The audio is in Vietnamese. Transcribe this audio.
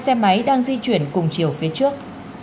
xe máy đang di chuyển cùng chiều phía trước